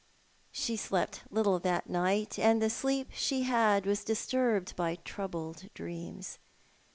She slept little that night, and the sleep she had was disturbed by troubled dreams.